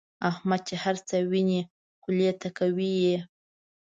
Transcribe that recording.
احمد چې هرڅه ویني خولې ته کوي یې.